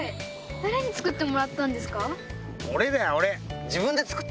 誰に作ってもらったんですか？